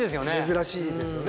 珍しいですよね。